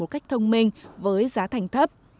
cách thông minh với giá thành thấp